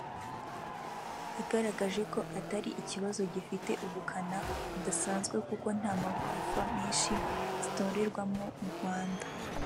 yagaragaje ko atari ikibazo gifite ubukana budasanzwe kuko nta magorofa menshi zitorerwamo mu Rwanda